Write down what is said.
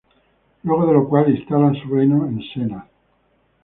Luego de lo cual, instalan su reino en Sennar.